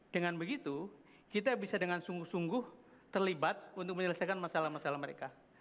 dengan begitu kita bisa dengan sungguh sungguh terlibat untuk menyelesaikan masalah masalah mereka